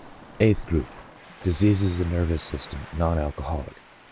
Eighth Group : Diseases of the Nervous System {Non Al coholic.)